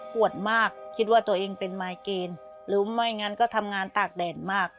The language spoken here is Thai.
มากคิดว่าตัวเองเป็นไมเกณฑ์หรือไม่งั้นก็ทำงานตากแดดมาก